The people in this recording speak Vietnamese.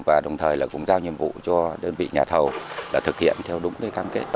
và đồng thời là cũng giao nhiệm vụ cho đơn vị nhà thầu thực hiện theo đúng cam kết